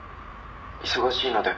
忙しいので」